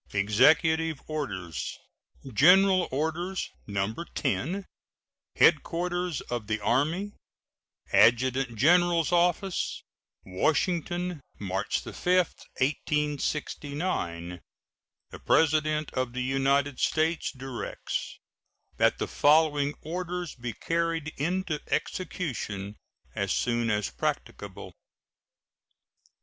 EXECUTIVE ORDERS. GENERAL ORDERS, No. 10. HEADQUARTERS OF THE ARMY, ADJUTANT GENERAL'S OFFICE, Washington, March 5, 1869. The President of the United States directs that the following orders be carried into execution as soon as practicable: 1.